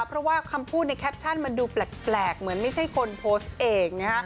เพราะว่าคำพูดในแคปชั่นมันดูแปลกเหมือนไม่ใช่คนโพสต์เองนะฮะ